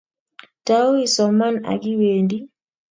Tau isomani akiwendii